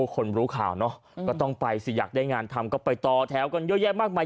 คนรู้ข่าวเนอะก็ต้องไปสิอยากได้งานทำก็ไปต่อแถวกันเยอะแยะมากมาย